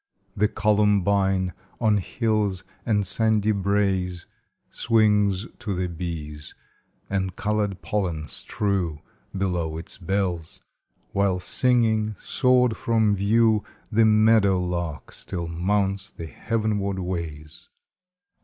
The columbine, on hills and sandy braes Swings to the bees, that colored pollens strew Below its bells, while singing, soared from view, The meadow lark still mounts the heavenward ways.